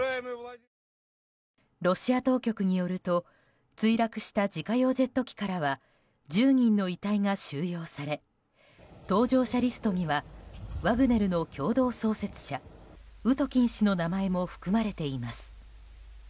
ロシア当局によると墜落した自家用ジェット機からは１０人の遺体が収容され搭乗者リストにはワグネルの共同創設者ウトキン氏の名前も含まれています。